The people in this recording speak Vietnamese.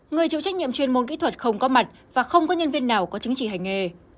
người chịu trách nhiệm chuyên môn kỹ thuật không có mặt và không có nhân viên nào có chứng chỉ hành nghề